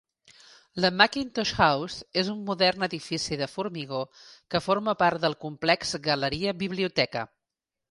La Mackintosh House és un modern edifici de formigó que forma part del complex galeria-biblioteca.